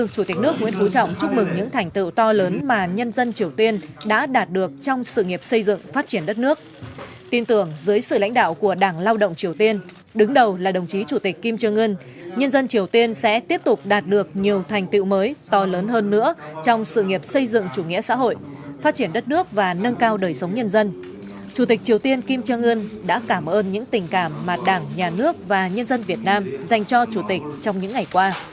chủ tịch triều tiên kim trương ươn đã cảm ơn những tình cảm mà đảng nhà nước và nhân dân việt nam dành cho chủ tịch trong những ngày qua